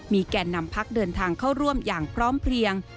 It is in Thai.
มีแก่นำพักเดินทางเข้าร่วมอย่างพร้อมเพลียง